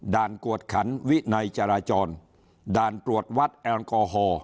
กวดขันวินัยจราจรด่านตรวจวัดแอลกอฮอล์